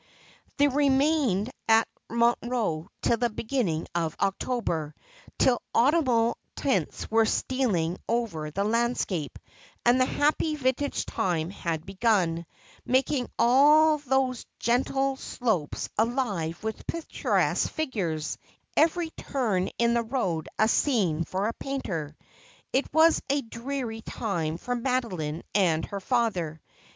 They remained at Montreux till the beginning of October, till autumnal tints were stealing over the landscape, and the happy vintage time had begun, making all those gentle slopes alive with picturesque figures, every turn in the road a scene for a painter. It was a dreary time for Madeline and her father.